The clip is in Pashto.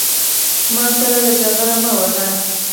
ما سره ډغرې مه وهه